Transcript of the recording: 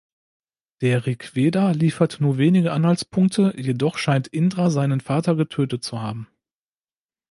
Der Rigveda liefert nur wenige Anhaltspunkte, jedoch scheint Indra seinen Vater getötet zu haben.